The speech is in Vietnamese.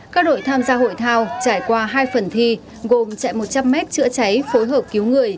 các đội tham gia hội thao trải qua hai phần thi gồm chạy một trăm linh m chữa cháy phối hợp cứu người